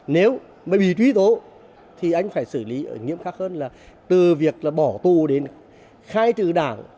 nếu mà bị trú tố thì anh phải xử lý ở nhiệm khác hơn là từ việc là bỏ tù đến khai trừ đảng